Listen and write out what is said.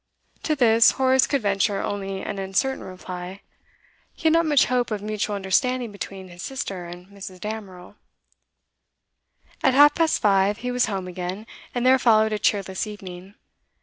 To this, Horace could venture only an uncertain reply. He had not much hope of mutual understanding between his sister and Mrs. Damerel. At half past five he was home again, and there followed a cheerless evening.